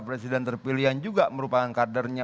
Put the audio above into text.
presiden terpilihan juga merupakan kadernya